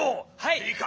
いいか？